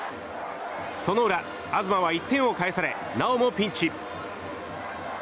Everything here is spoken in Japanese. その裏、東は１点を返されなおもピンチ。